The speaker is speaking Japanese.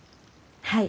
はい。